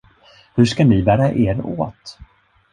Hur ska ni bära er åt?